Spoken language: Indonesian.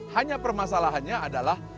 hanya permasalahannya adalah